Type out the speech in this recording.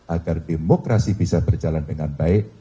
agar demokrasi bisa berjalan dengan baik